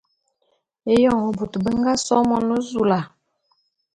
Éyoň bôt be nga so Monezula.